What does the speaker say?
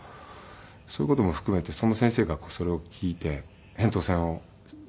そういう事も含めてその先生がそれを聞いて扁桃腺の手術をして。